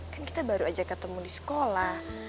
kan kita baru aja ketemu di sekolah